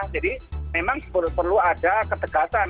jadi memang perlu ada ketegasan